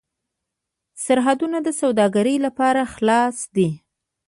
سرحدونه د سوداګرۍ لپاره خلاص دي.